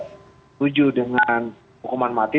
setuju dengan hukuman mati